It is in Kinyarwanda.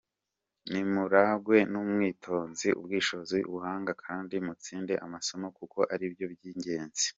Nimurangwe n’ubwitonzi, ubushishozi, ubuhanga kandi mutsinde amasomo kuko aribyo by’ibanze.